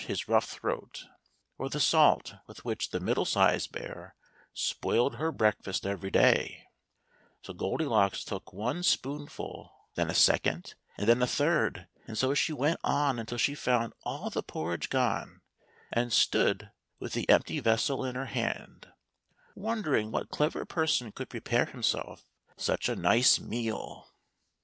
his rough throat, or the salt with which the middle sized bear spoiled her breakfast every day. So Goldilocks took one spoonful, then a second, and then a third ; and so she went on until she found all the porridge gone, and stood with the empty EATING UP THE LITTLE BEAR'S PORRIDCE. 110 THE THREE BEARS. vessel in her hand, wondering what clever person could pre pare himself such a nice meal.